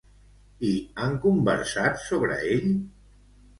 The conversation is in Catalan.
I han conversat sobre ell?